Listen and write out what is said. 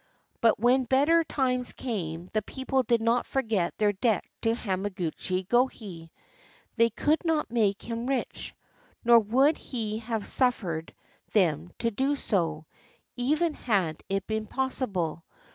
But when better times came, the people did not forget their debt to Hamaguchi Gohei. They could not make him rich; nor would he have suffered them to do so, even had it been possible.